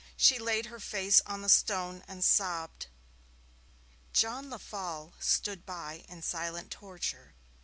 She laid her face on the stone and sobbed. John Lefolle stood by in silent torture.